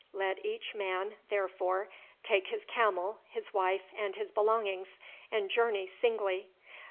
Let each man, therefore, take his camel, his wife, and his belongings, and journey singly.